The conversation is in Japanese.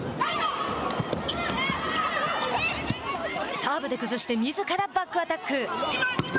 サーブで崩してみずからバックアタック。